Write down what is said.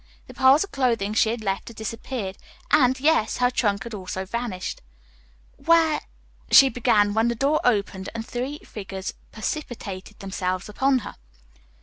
The piles of clothing she had left had disappeared, and, yes, her trunk had also vanished. "Where " she began, when the door opened and three figures precipitated themselves upon her.